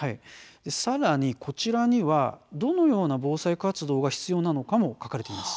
さらに、こちらにはどのような防災活動が必要なのかも書かれています。